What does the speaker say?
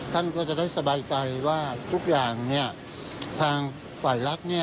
ท่านก็จะได้สบายใจว่าทุกอย่างเนี่ยทางฝ่ายลักษณ์เนี่ย